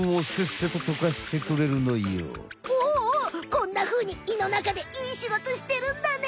こんなふうに胃のなかでいいしごとしてるんだね。